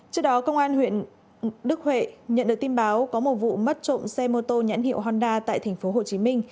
trước đó công an huyện đức huệ nhận được tin báo có một vụ mất trộm xe mô tô nhãn hiệu honda tại tp hcm